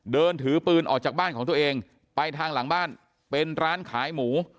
เดินถือปืนออกจากบ้านของตัวเองไปทางหลังบ้านเป็นร้านขายหมู